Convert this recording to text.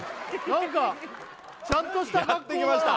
何かちゃんとした格好だなやってきました